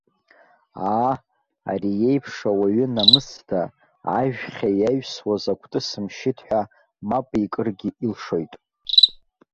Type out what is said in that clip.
Аа, ари иеиԥш ауаҩы намысда, ажәхьа иаҩсуаз акәты сымшьит ҳәа, мап икыргьы илшоит.